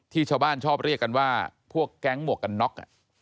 ชาวบ้านชอบเรียกกันว่าพวกแก๊งหมวกกันน็อก